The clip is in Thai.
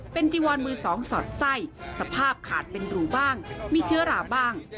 เป็นจีวอนมือสองสอดไส้สภาพขาดเป็นรูบ้างมีเชื้อราบ้าง